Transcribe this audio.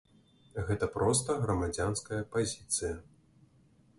Гэта проста грамадзянская пазіцыя.